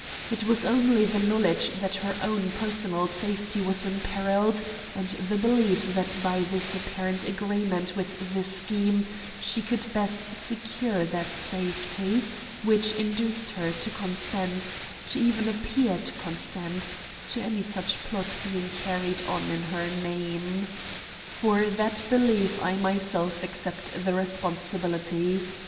It was only the knowledge that her own personal safety was imperilled, and the belief that by this apparent agreement with the scheme she could best secure that safety, which induced her to consent to even appear to consent to any such plot being carried on in her name. For that belief I myself accept the responsibility.